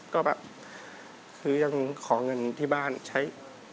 ก็แบบคือยังขอเงินที่บ้านใช้